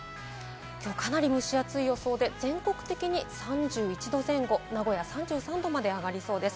きょう、かなり蒸し暑い予想で全国的に３１度前後、名古屋３３度まで上がりそうです。